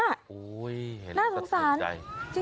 โอ๊ยแค่แสดงใจน่าสงสาร